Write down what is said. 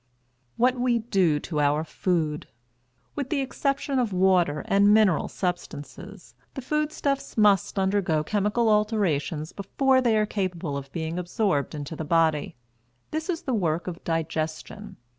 WHAT WE DO TO OUR FOOD. With the exception of water and mineral substances, the food stuffs must undergo chemical alterations before they are capable of being absorbed into the body; this is the work of digestion.